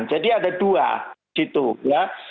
jadi ada dua gitu ya